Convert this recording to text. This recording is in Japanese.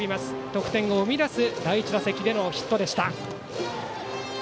得点を生み出す第１打席でのヒットでした。